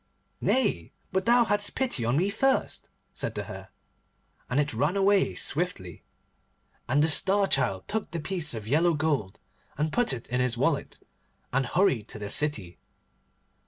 'Nay, but thou hadst pity on me first,' said the Hare, and it ran away swiftly. And the Star Child took the piece of yellow gold, and put it in his wallet, and hurried to the city.